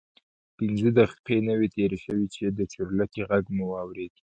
پنځه دقیقې نه وې تېرې شوې چې د چورلکې غږ مو واورېد.